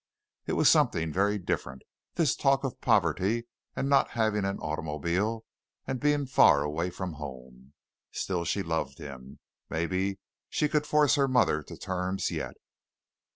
It was something very different, this talk of poverty, and not having an automobile, and being far away from home. Still she loved him. Maybe she could force her mother to terms yet.